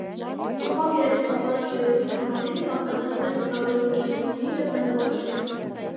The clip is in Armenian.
Տուֆով երեսպատուած գեղեցիկ համալիրը բաղկացած է գլխաւոր եկեղեցիէ եւ զանգակատունէ։